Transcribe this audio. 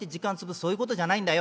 「そういうことじゃないんだよ。